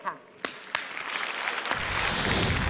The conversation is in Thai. ขอคำถามข้อแรกกันเลยค่ะ